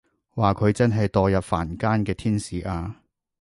哇佢真係墮入凡間嘅天使啊